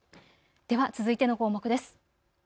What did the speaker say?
では続いての項目です。